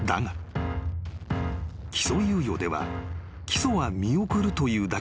［起訴猶予では起訴は見送るというだけで］